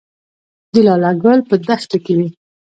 د لاله ګل په دښتو کې وي